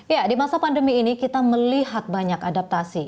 ya di masa pandemi ini kita melihat banyak adaptasi